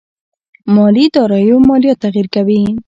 مالي داراییو ماليات تغير کوي.